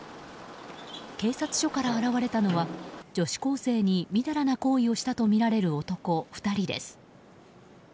警察署から現れたのは女子高生にみだらな行為をしたとみられる男２人です。